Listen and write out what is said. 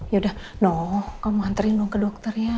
yaudah noh kamu anterin dong ke dokter ya